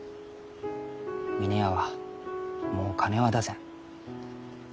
峰屋はもう金は出せん。